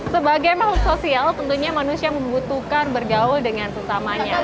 sebagai makhluk sosial tentunya manusia membutuhkan bergaul dengan sesamanya